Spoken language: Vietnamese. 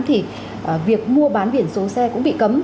thì việc mua bán biển số xe cũng bị cấm